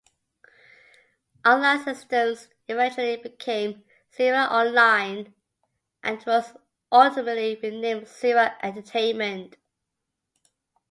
On-Line Systems eventually became Sierra On-Line and was ultimately renamed Sierra Entertainment.